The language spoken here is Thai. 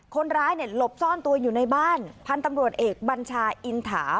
คนร้ายหลบซ่อนตัวอยู่ในบ้านพันธุ์ตำรวจเอกบัญชาอินถา